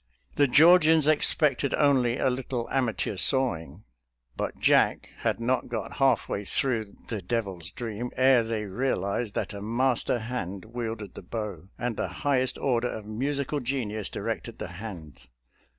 The Georgians expected only a little amateur sawing, but Jack had not got halfway through " The Devil's Dream " ere they realized that a master hand wielded the bow and the highest order of musical genius directed the hand.